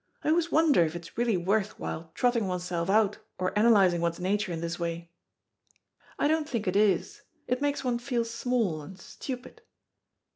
I always wonder if it's really worth while trotting oneself out or analysing one's nature in this way. I don't think it is. It makes one feel small and stupid."